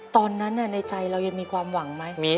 ตอนนั้นในใจเรายังมีความหวังไหม